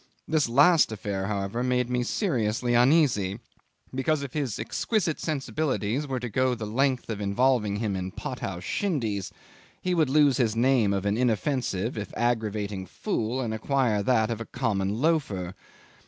This last affair, however, made me seriously uneasy, because if his exquisite sensibilities were to go the length of involving him in pot house shindies, he would lose his name of an inoffensive, if aggravating, fool, and acquire that of a common loafer.